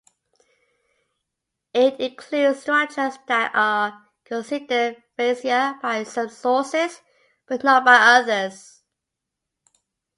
It includes structures that are considered fascia by some sources but not by others.